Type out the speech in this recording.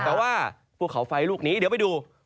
แต่ว่าภูเขาไฟลูกนี้เดี๋ยวไปดู